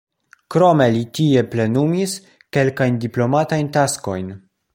Krome li tie plenumis kelkajn diplomatiajn taskojn.